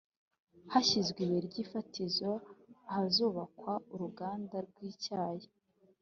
Hashyizwe ibuye ryifatizo ahazubakwa uruganda rwicyayi